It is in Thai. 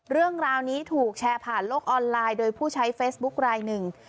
เรื่องราวนี้ถูกแชร์ผ่านโลกออนไลน์โดยผู้ใช้เฟซบุ๊คลายหนึ่ง